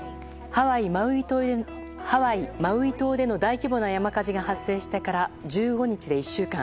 ハワイ・マウイ島での大規模な山火事が発生してから１５日で１週間。